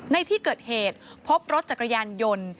ในที่เกิดเหตุพบรถจักรยานยนต์